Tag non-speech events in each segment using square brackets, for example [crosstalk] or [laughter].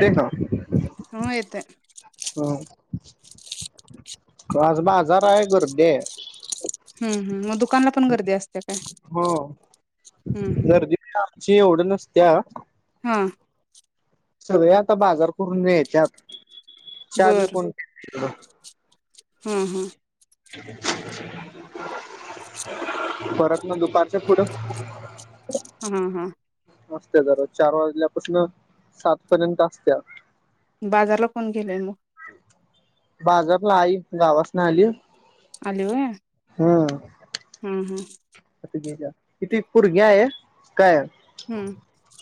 ते ना ह येतय ह आज बाजार आय गर्दी आय हम्म हम् मग दुकानला पण गर्दी असत्या काय हो. हम्म हम् त्या हा सगळे आता बाजार करून न्यायच्यात च्या बी कोण [unintelligible] हा हा परतन दुपारच्या पुढं अ हा हा असत्या जरा चार वाजल्यापसनं सात पर्यंत असत्या बाजारला कोण गेलय म? बाजारला आई गावासन आली आली वय? हा अता गेल्या इथ एक पुरगी आये काय हम्म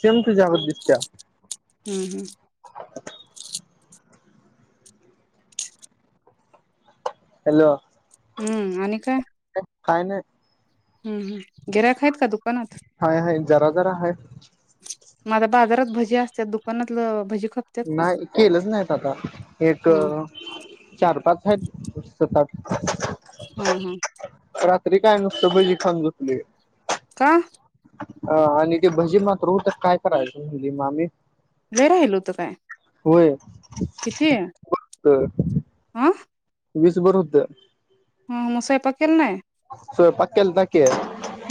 सेम तुज्यागत दिस त्या हम् हम्म [inaudible] हॅलो हम्म आणि काय? काय नाय हम् हम् गिरायक हायत का दु हाय हाय जरा जरा हाय माझ बाजारात भजी असतात दुकानातल भजी खपतात का नाय केलंच नाहीत आता एक हं चार पाच हायत सात आठ हूं हूं तरी काय नुसतं भजी खाऊन झोपलीय का अ आणि ते भजी मात्र हो तर काय करायच तुजी मामी? लयी राहील होत काय? होय कितीय? तर आ वीसभर होत हां म स्वयंपाक केल नाही? स्वयंपाक केलता की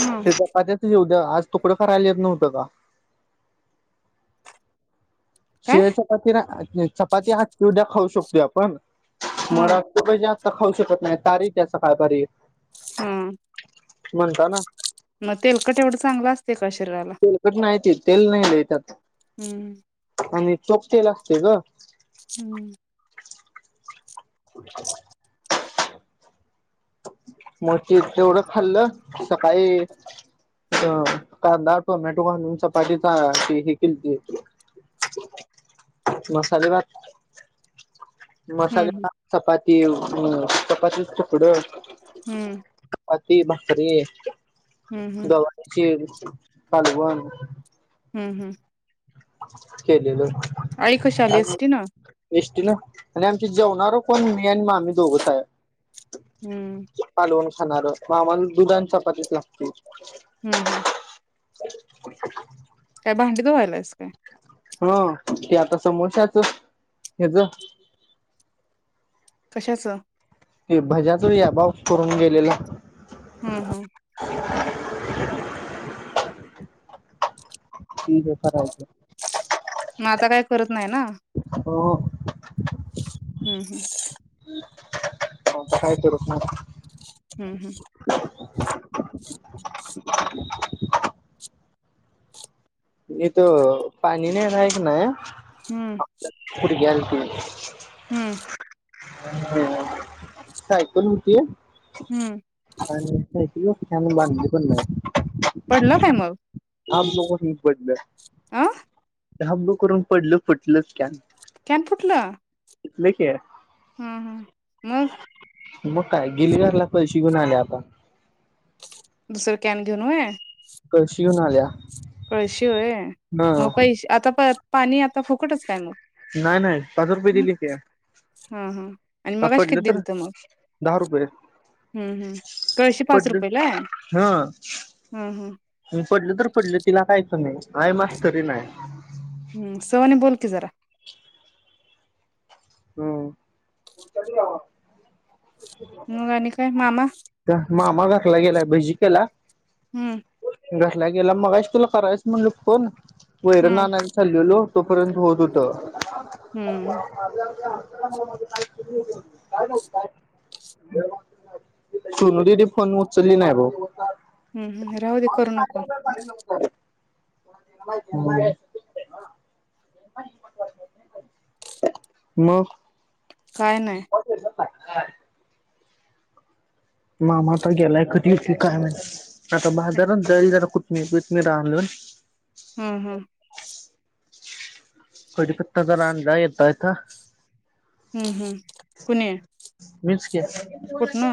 हं चपात्याचं घेउन ये आज तुकडं करायला येत नव्हतं का? काय शीळ चपाती रा नई चपाती आखी उद्या खाऊ शकतो आपण हं [unintelligible] खाऊ शकत नाही तारी इतिया सकाळ पारी हं मग तेलकट एवढा चांगला तेलकट नाहीती तेल नाही लई त्यात हूं हुं आणि चोक तेल असतय ग! हम्म [inaudible] मोती तेवढं खाल्लं, सकाळी अ कांदा टोमॅटो घालून चपातीचा हे केलती. मसाले भात. मसाले हम्म भा चपा तेल चपातीच तुकडं हं अती भाकरीय हम्म गवारीची कालवा अल हम्म हम्म. केलेलं आई कशी आली आणि एस्टीन आणि आमची जेवणार पण मी आणि मामी दोघंच आहे. हम्म कालवण खाणार मग आम्हाला दुध आणि चपातीच लागते. हम्म हम्म [unintelligible] काय भांडी धुवायलास काय. हा ते आता समोश्याच ह्याज कशाचं? ते भज्याचा या अभव करून गेलेला. हम्म हम्म ठीक आहे करायचं. मग आता काही करत नाही ना. हो हम्म हम्म आता काय ती रुसणं. हम्म हम्म [unintelligible] इथ पाणी नाही आहे की नाही. हम्म ह हम्म सायकल होतीय. हम्म आणि येतंय. [unintelligible] पडलं काय मग? [unintelligible] पडलं. आं धाब्ब करून पडलं फुटलच कॅन कॅन फुटलं? फुटलं की हम्म हम्म मग मग काय गिलगारला पैशे घिवून आले आता दुसर कॅन घेऊन व्हय? कळशी घेऊन आल्या. कळशी होय मग हा पैशे आता पण पाणी आता फुकटच काय मग नाय नाय पाच रुपय दिलीत्या. हम हम ह पडलं तर दहा रुपये हम्म हम्म कळशी पाच पडलं. रुपयेला आहे? हा हम्म हम्म पडलं तर पडलं तिला काय? नाही हाय मास्तरीन हाय. हम्म सवन बोलकी जरा हम्म मग आणि काय मामा? त्यात मामा घातला गेला. भजी केला? हम्म घरला गेला मगाशी तुला करायच म्हणलं फोन वैरण हम्म आणायला चाल्लेलो. तोपर्यंत होत हुतं. हम्म [unintelligible] [unintelligible] सोनु दीदी फोन उचलली नाही ब हम्म राहू दे करू नको. [unintelligible] [unintelligible] म काय नाही काॅल केलता? [unintelligible] मामा आता गेलाय कधी येतोय काय माहीत आता बाजारात जाईल जरा कुतमीर बितमीर आणल. हम हम [unintelligible] कढीपत्ता जरा आणला येता येता. हम हम मीच की कुठन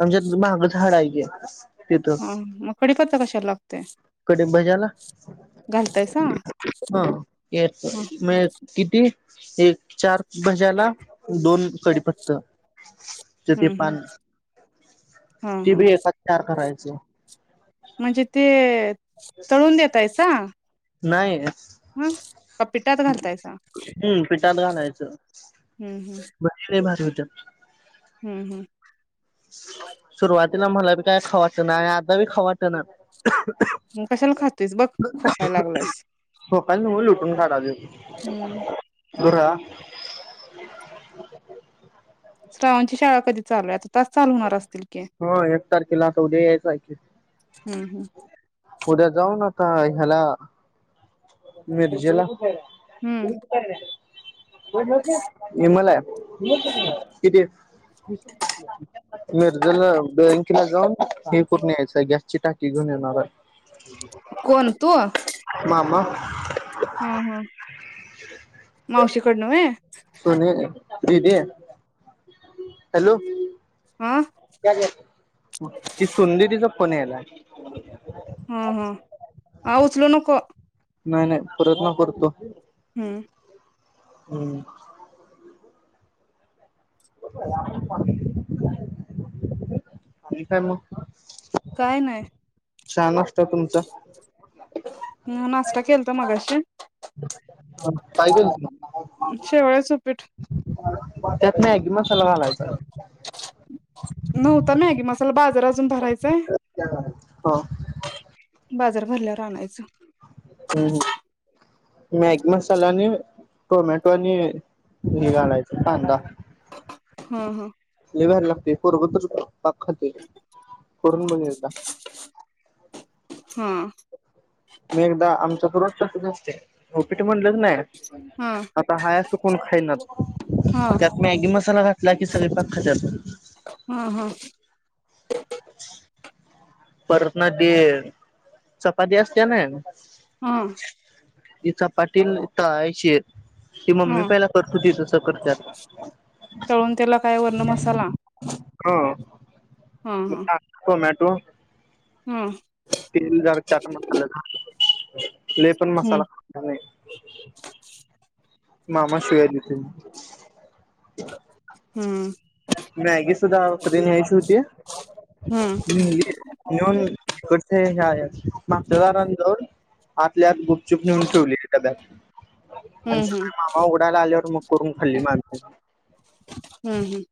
आमच्यात माग झाड हाय की तिथं हा मग कडीपत्ता कशाला लागतोय. घालतायसा ह [unintelligible] किती एक चार भजाला दोन कडी पत्त ते ते हम्म पान हम् हा ते हा बी एकात चार करायच [inaudible] म्हणजे ते तळून देेतायसा नाय हं का पिटात घालतायसा टात घालायच हम्म बस लय भारी [inaudible] हूं हूं सुरुवातीला मला बी काय खाऊ वाटनाय आणि आता बी खाऊ वाटना म कशाला खातोइस बघ खोकाय लागलास सकाळी नव हूं बरा श्रावणची शाळा कधी चालू आहे आता तास चालू होणार अस हो एक तारखेला आता उद्या यायचं हाय की हम्म हम्म फुड्या जाऊ ना का ह्याला मिर्जेला हम्म [inaudible] विमल आहे किती? उद्याला बँकला जाऊन पिन कोड यायचं गॅसची टाकी घेऊन येणार आहे. कोण मामा [inaudible] हूं हूं मावशीकडन होय. सुनये दिदी हॅलो हा [unintelligible] कोण येईलाय? हा हा आ उचलु नको. नाय नाय प्रयत्न करतो. [unintelligible] हूं ठिक आहे म काय नाय छान असत तुमच म्या नाश्ता केलता मगाशी काय केल ती शेवाळयाचपीठ त्यात मॅगी मसाला घालायचा नव्हता मॅगी मसाला बाजार अजून भरायचाय हो बाजार भरल्यावर आणायचं हं हं मॅगी मसाला आणि टोमॅटो आणि हे घालायच कांदा. हम्म हम्म लईभारी लागतंय पोरगं तर पाक खातंय करून बघ एकदा हा मी एकदा आमच्याकडे रोज तसंच असतंय पीठ म्हणल की नाय हा आता हाय असं कोण खाईनात. हा त्यात मॅगी मसाला घाल लाकी सगळे पाक खात्यात. हा हा परत ना ते चपाती असते ना हा ती चपाती तळायची आहे ती मम्मी हा पहिला करत होती तस तर करत्यात. तळून त्याला काय वरन मसाला? हा मग टाक टोमॅटो हम्म तेल जरा चाट मसाला टाक लई पण हम्म मसाला टाका नाही. मामा शिव्या देतो म हम्म तू दाव तरी न्यायची होती. हम्म नेली, नेऊन कट हे ह्या मागच्यादारां जाऊन आतल्या आत गुपचुप नेऊन ठेवली डब्यात हम्म अरे हम्म. मामा उघडायला आल्यावर मग करून खाल्ली मागनं [inaudible] हं हं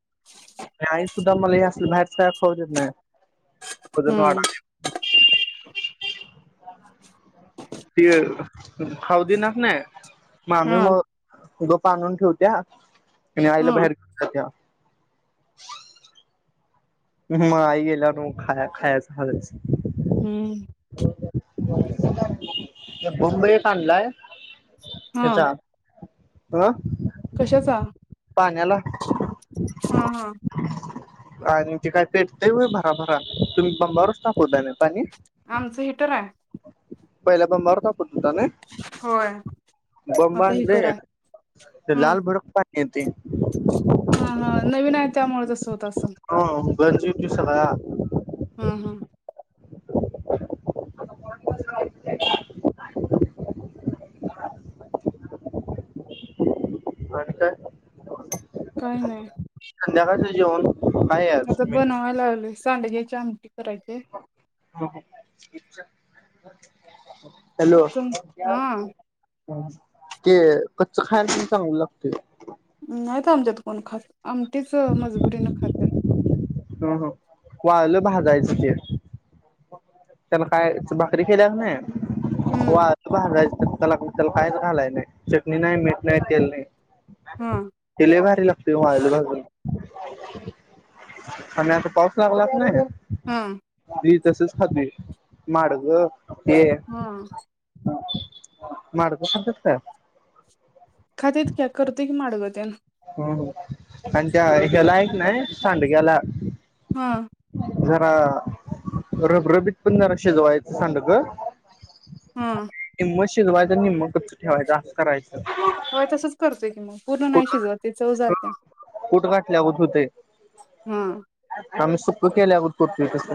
न्हाय सु त मला अस बाहेरच काय खाऊ देत नाय. खुदून हम्म वाडाले ते खाऊदीनास नाय हा मामीमूळं गप आणून ठेवत्यात. णि आईला बाहेर खा त्या मग आई गेल्यावर मग खाया खायाच हळूचं. हम्म बंब एक आणलाय हा त्याचात अ कशाचा पाण्याला हा हा आणि ते काय पेटतय व्हय भराभरा, तुम्ही पंपावरच तापवताना ना पाणी? आमचं हेिटर हाय. पहिला बंबा वर ताप उत्तमे होय आता बंबान दे हिटर आहे ते हम्म लाल भडक पाय यती हा हा नवीन आहे त्यामुळ जसं तसं [unintelligible] हम हम [inaudible] आणि काय काय नाय संध्याकाळंच जेवन आता बनवाया लागले. सांडग्याची आमटी करायचीय. हो हो हॅलो तुम हा ते कच्च खायाचं चांगलं लागतय. [unintelligible] समजत कोण खास? आमटीच मजबुरीन खाते. ह ह वाळलं भाजायच त्ये. त्याला काय भाकरी केला का नाय? हम्म [unintelligible] त्याला कायच घालाय नाही चटणी नाय, मीठ नाय, तेल नाय. हा ते लय भारी लागतेय वाळलं भाजून. आणि आता पाऊस लागला क नाय. हा ती तसंच खातंय. माडगं हा माडगं खात्यास काय? खात्यात की करती की माडगं. त्यान ह आणि त्यायाला ऐक नाही सांडग्याला हा जरा रबरबीत पण जरा शिजवायच सांडग हा म शीजवयच निम कच ठेवायच अस करायचं होय तसच करतोय की मग पूर्ण नाही शिजवत ते चव जात्या कुट घातल्यागत होतय हा आम्ही सु तु केल्यागत करतोय तस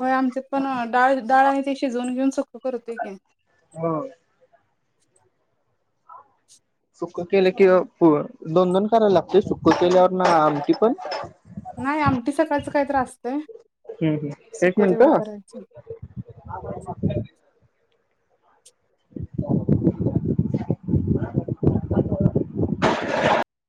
होय आमच्यात पण दाळ दाळ आहे ते शिजवून घेऊन सुक करतोय की ह सुक्क केल कि प दोन दोन करायला लागते सुक्क केल्यावर ना आमटी पण नाही आमटी सकाळचं काहीतरी असतय हम्म हम्म एक सुक तेवढं मिनिट करायचं [inaudible]